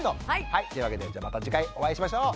はいというわけでまた次回お会いしましょう。